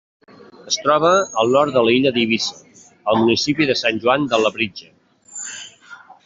Es troba al nord de l'illa d'Eivissa, al municipi de Sant Joan de Labritja.